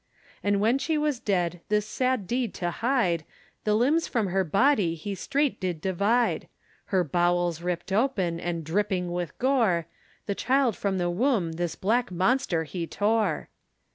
And when she was dead this sad deed to hide, The limbs from her body he straight did divide, Her bowels ript open and dripping with gore, The child from the womb this black monster he tore.